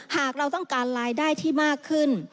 หากเราต้องการรายได้ที่มากขึ้น